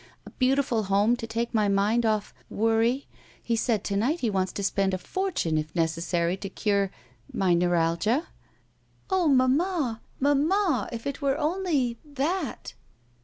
A beautiful home to take my mind off — worry. He said to night he wants to spend a for ttme, if necessary, to cure — ^my neuralgia." Oh, mamma! Mamma! if it were only — ^that!"